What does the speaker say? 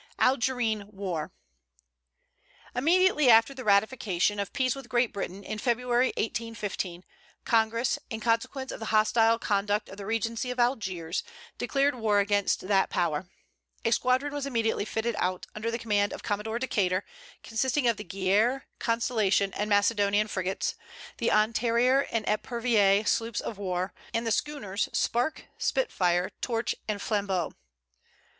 ALGERINE WAR. Immediately after the ratification of peace with Great Britain, in February 1815, Congress, in consequence of the hostile conduct of the regency of Algiers, declared war against that power. A squadron was immediately fitted out, under the command of Commodore Decater, consisting of the Guerriere, Constellation and Macedonian frigates, the Ontario and Epervier sloops of war, and the schooners Spark, Spitfire, Torch and Flambeau.